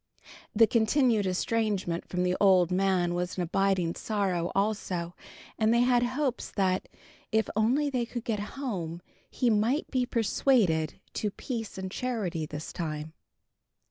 The continued estrangement from the old man was an abiding sorrow also, and they had hopes that, if only they could get home, he might be persuaded to peace and charity this time.